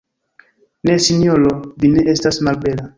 Ne, sinjoro, vi ne estas malbela.